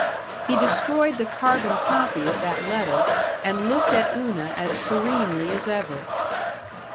He destroyed the carbon copy of that letter and looked at Una as serenely as ever.